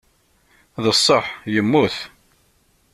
D ṣṣeḥḥ, yemmut.